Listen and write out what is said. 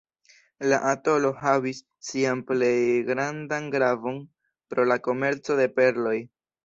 La atolo havis sian plej grandan gravon pro la komerco de perloj.